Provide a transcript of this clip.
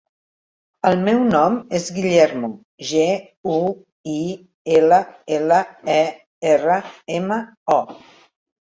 El meu nom és Guillermo: ge, u, i, ela, ela, e, erra, ema, o.